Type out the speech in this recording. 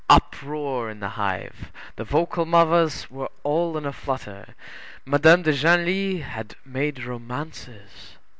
Uproar in the hive; the vocal mothers were all in a flutter; Madame de Genlis had made romances.